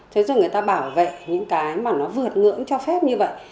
thế rồi người ta bảo vệ những cái mà nó vượt ngưỡng cho phép như vậy